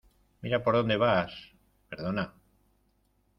¡ Mira por dónde vas! Perdona.